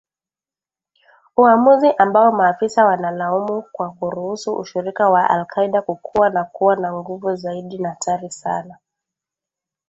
Uamuzi ambao maafisa wanalaumu kwa kuruhusu ushirika wa al-Qaida kukua na kuwa na nguvu zaidi na hatari sana